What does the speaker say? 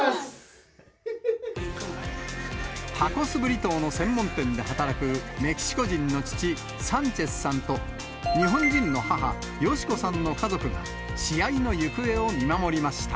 タコス、ブリトーの専門店で働くメキシコ人の父、サンチェスさんと、日本人の母、よしこさんの家族が、試合の行方を見守りました。